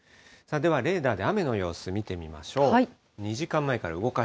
ではレーダーで雨の様子見てみましょう。